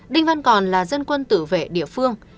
đinh văn còn là dân quân tử vệ địa phương